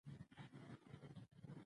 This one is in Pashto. بار بار دعوت راکوي